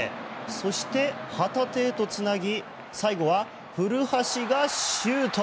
そして、旗手へとつなぎ最後は古橋がシュート。